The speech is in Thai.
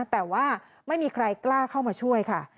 แต่ว่าไม่มีใครกล้าเข้ามาช่วยค่ะ